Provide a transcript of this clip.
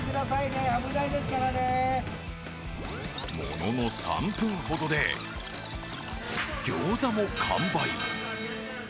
ものの３分ほどでギョーザも完売。